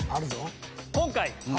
今回。